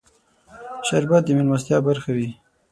شربت د مېلمستیا برخه وي